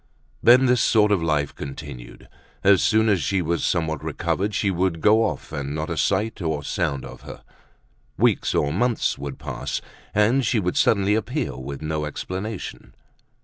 Then this sort of life continued. As soon as she was somewhat recovered she would go off and not a sight or sound of her. Weeks or months would pass and she would suddenly appear with no explanation.